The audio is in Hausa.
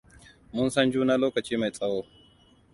Mun san juna lokaci mai tsawo.